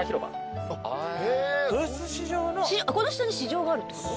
この下に市場があるってこと？